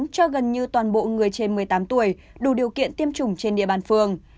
cho gần như toàn bộ người trên một mươi tám tuổi đủ điều kiện tiêm chủng trên địa bàn phường